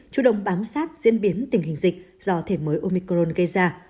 chủ động bám sát diễn biến tình hình dịch do thể mới omicron gây ra